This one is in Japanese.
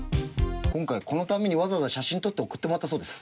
今回このためにわざわざ写真撮って送ってもらったそうです。